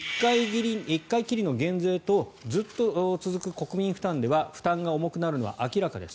１回きりの減税とずっと続く国民負担では負担が重くなるのは明らかです。